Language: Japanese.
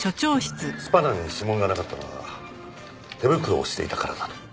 スパナに指紋がなかったのは手袋をしていたからだと。